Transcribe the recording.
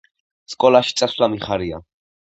სკოლაში წასვლა მიხარია